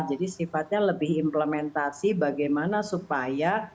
jadi sifatnya lebih implementasi bagaimana supaya